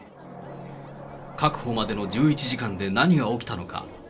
確保までの１１時間で何が起きたのか。